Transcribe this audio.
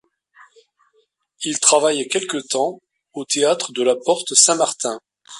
Il travaille quelque temps au théâtre de la Porte-Saint-Martin.